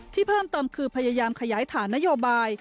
เพิ่มเติมคือพยายามขยายฐานนโยบาย